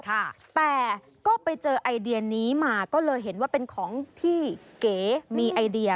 แต่ก็ไปเจอไอเดียนี้มาก็เลยเห็นว่าเป็นของที่เก๋มีไอเดีย